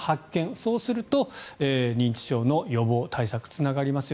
そうすると認知症の予防・対策につながりますよ。